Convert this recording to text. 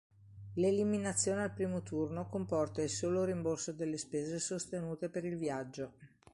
L'eliminazione al primo turno comporta il solo rimborso delle spese sostenute per il viaggio.